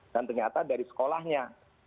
dan ternyata dari sekolahnya